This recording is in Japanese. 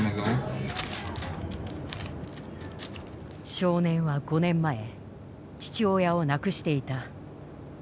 少年は５年前父親を亡くしていた。